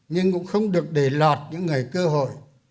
nhưng cũng không được để lọt những người cơ hội